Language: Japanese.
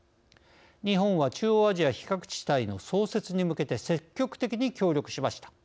日本は中央アジア非核地帯の創設に向けて積極的に協力しました。